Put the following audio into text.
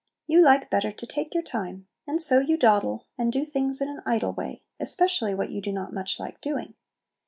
You like better to take your time, and so you dawdle, and do things in an idle way, especially what you do not much like doing.